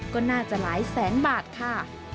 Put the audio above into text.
ก็น่าจะหลายแสนบาทค่ะ